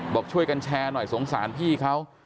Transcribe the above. บอกช่วยกันแชร์หน่อยสงสารพี่เขา